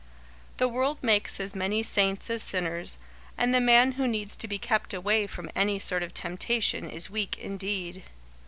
The world makes as many saints as sinners, and the man who needs to be kept away from any sort of temptation is weak indeed.